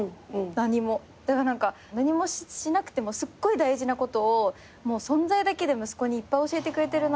何もしなくてもすっごい大事なことを存在だけで息子にいっぱい教えてくれてるなって。